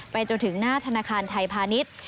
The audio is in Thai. จนถึงหน้าธนาคารไทยพาณิชย์